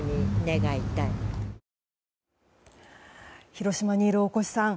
広島にいる大越さん。